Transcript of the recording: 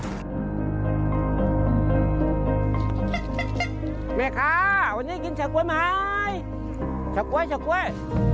แม่คะวันนี้กินชะก๋วยไม้ชะก๋วยชะก๋วย